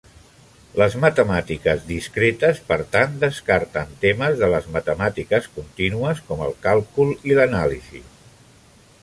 Les matemàtiques discretes, per tant, descarten temes de les "matemàtiques contínues" com el càlcul i l'anàlisi.